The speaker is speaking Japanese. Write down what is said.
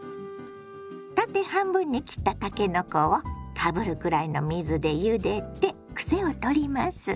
縦半分に切ったたけのこをかぶるくらいの水でゆでてクセを取ります。